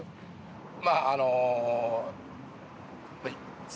まああの。